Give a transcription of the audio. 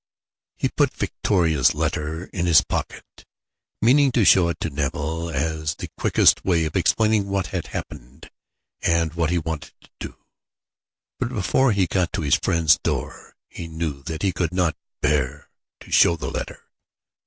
He put Victoria's letter in his pocket, meaning to show it to Nevill as the quickest way of explaining what had happened and what he wanted to do; but before he had got to his friend's door, he knew that he could not bear to show the letter.